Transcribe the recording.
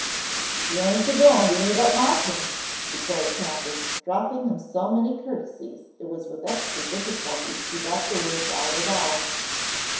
"He ain' a goin' t' eat up my t'ings," declared Candace, dropping him so many courtesies it was with extra difficulty she got the words out at all.